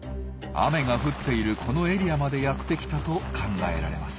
雨が降っているこのエリアまでやって来たと考えられます。